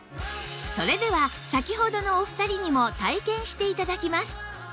それでは先ほどのお二人にも体験して頂きます